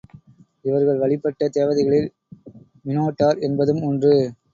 இவர்கள் வழிபட்ட தேவதைகளில் மினோடார் என்பதும் ஒன்று.